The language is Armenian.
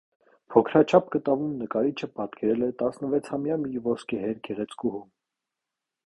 Փոքրաչափ կտավում նկարիչը պատկերել է տասնվեցամյա մի ոսկեհեր գեղեցկուհու։